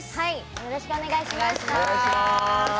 よろしくお願いします。